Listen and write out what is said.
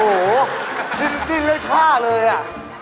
อู๋หูดิ้นด้วยท่าเลยไม่แน่